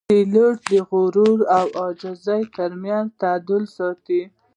پیلوټ د غرور او عاجزۍ ترمنځ تعادل ساتي.